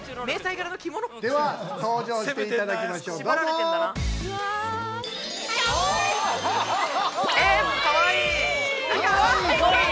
◆では登場していただきましょう、どうぞ！◆かわいい！